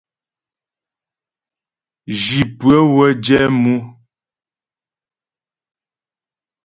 Zhi pʉə́ə wə́ jɛ mʉ.